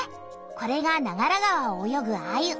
これが長良川をおよぐアユ！